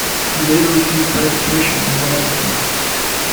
He later received private tuition in Wellington.